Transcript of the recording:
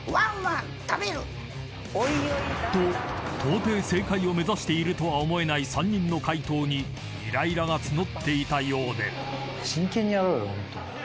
［ととうてい正解を目指しているとは思えない３人の解答にイライラが募っていたようで］